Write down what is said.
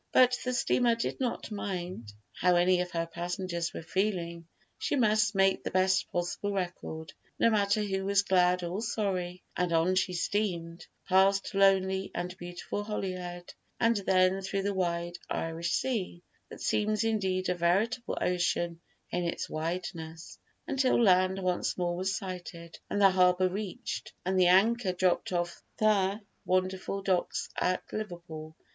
But the steamer did not mind how any of her passengers were feeling she must make the best possible record, no matter who was glad or sorry; and on she steamed, past lonely and beautiful Holyhead, and then through the wide Irish Sea (that seems indeed a veritable ocean in its wideness), until land once more was sighted and the harbor reached, and the anchor dropped off the wonderful docks at Liverpool.